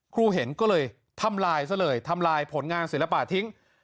เห็นก็เลยทำลายซะเลยทำลายผลงานศิลปะทิ้ง